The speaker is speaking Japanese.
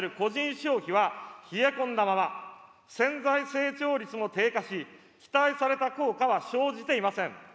消費は冷え込んだまま、潜在成長率も低下し、期待された効果は生じていません。